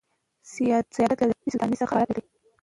سیادت له دولتي سلطې څخه عبارت دئ.